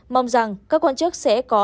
mong rằng các quan chức sẽ có